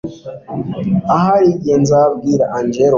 ahari igihe nzabwira angella ukuri